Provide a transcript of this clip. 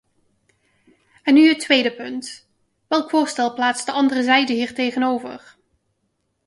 En nu het tweede punt: welk voorstel plaatst de andere zijde hier tegenover?